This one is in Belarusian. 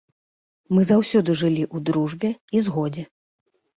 Мы заўсёды жылі ў дружбе і згодзе.